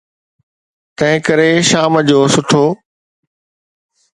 تنهن ڪري شام جو سٺو.